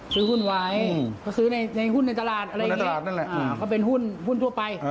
ซื้อหุ้นไว้ก็ซื้อในหุ้นในตลาดอะไรอย่างนี้